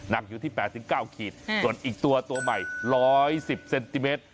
หนักอยู่ที่แปดถึงเก้าขีดอืมส่วนอีกตัวตัวใหม่ร้อยสิบเซนติเมตร